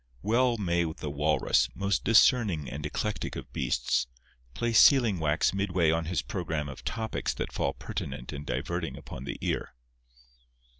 Well may the Walrus, most discerning and eclectic of beasts, place sealing wax midway on his programme of topics that fall pertinent and diverting upon the ear.